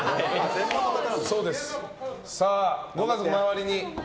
ご家族、周りに。